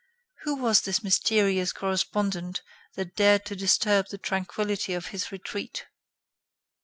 Who was this mysterious correspondent that dared to disturb the tranquility of his retreat?